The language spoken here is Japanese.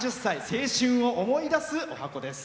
青春を思い出す、おはこです。